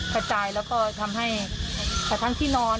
กระจายแล้วก็ทำให้กระทั้งที่นอน